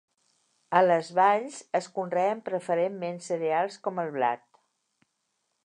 A les valls es conreen preferentment cereals, com el blat.